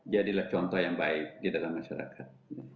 jadilah contoh yang baik di dalam masyarakat